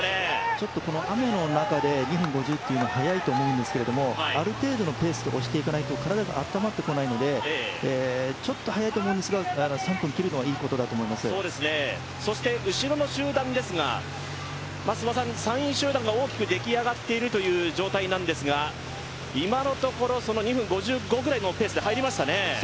ちょっと雨の中で２分５０というのは速いと思うんですけど、ある程度のペースで押していかないと、体があったまってこないので、ちょっと早いと思うんですが３分切るのはいいことだと思いますそして後ろの集団ですが、３位集団が大きくできあがっているという状態なんですが今のところ、その２分５５ぐらいのペースで入りましたね。